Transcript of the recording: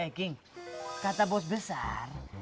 eh king kata bos besar